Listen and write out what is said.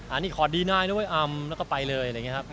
อันนี้ขอดีนายนะเว้ยอ่ำแล้วก็ไปเลย